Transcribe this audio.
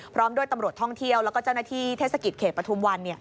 พร้อมด้วยตำรวจท่องเที่ยวแล้วก็เจ้าหน้าที่เทศกิจเขตปฐุมวัน